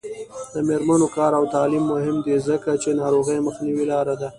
د میرمنو کار او تعلیم مهم دی ځکه چې ناروغیو مخنیوي لاره ده.